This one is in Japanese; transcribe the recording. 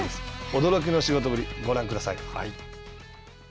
驚きの仕事ぶり、ご覧ください。